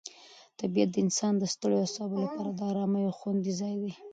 طبیعت د انسان د ستړیو اعصابو لپاره د آرامۍ یو خوندي ځای دی.